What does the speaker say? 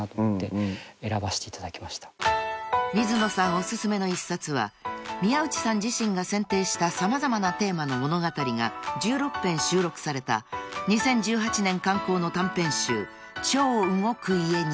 お薦めの１冊は宮内さん自身が選定した様々なテーマの物語が１６編収録された２０１８年刊行の短編集『超動く家にて』］